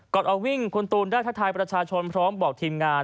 ก่อนออกวิ่งคุณตูนได้ทักทายประชาชนพร้อมบอกทีมงาน